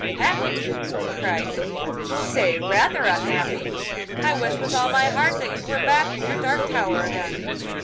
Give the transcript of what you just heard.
'Happy!' cried he; 'say rather unhappy. I wish with all my heart that you were back in your dark tower again.